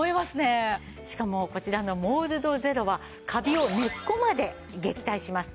しかもこちらのモールドゼロはカビを根っこまで撃退します。